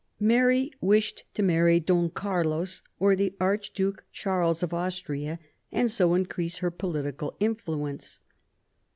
Mary wished to marry Don Carlos or the Archduke Charles of Austria, and so increase her political influence.